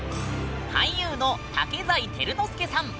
俳優の竹財輝之助さん。